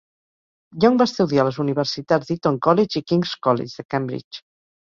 Young va estudiar a les universitats d'Eton College i King's College, de Cambridge.